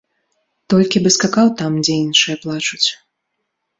Толькі б і скакаў там, дзе іншыя плачуць.